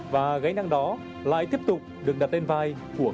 và gánh năng đó lại tiếp tục được đặt lên bảo hiểm